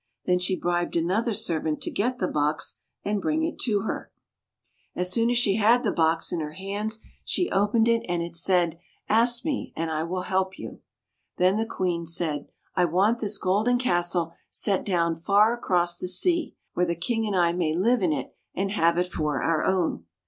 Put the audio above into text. Then she bribed another servant to get the box and bring it to her. [ 143 ] FAVORITE FAIRY TALES RETOLD As soon as she had the box in her hands she opened it, and it said, " Ask me, and I will help you." Then the Queen said, " I want this golden castle set down far across the sea, where the King and I may live in it and have it for our own."